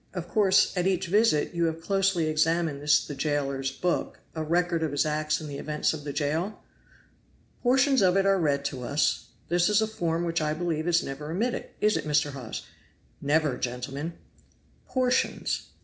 Of course, at each visit, you have closely examined this the jailer's book, a record of his acts and the events of the jail?" "Portions of it are read to us; this is a form which I believe is never omitted is it, Mr. Hawes?" "Never, gentlemen!" "'Portions!'